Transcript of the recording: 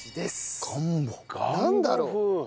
なんだろう？